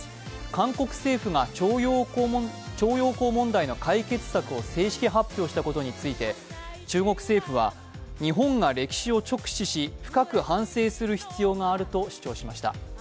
韓国政府が徴用工問題の解決策を正式発表したことについて、中国政府は日本が歴史を直視し深く反省する必要があると主張しました。